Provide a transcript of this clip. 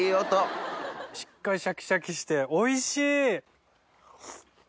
しっかりシャキシャキしておいしい！